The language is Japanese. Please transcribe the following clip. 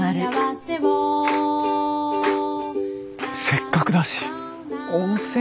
せっかくだし温泉